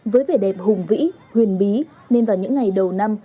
với vẻ đẹp hùng vĩ huyền bí nên vào những ngày đầu năm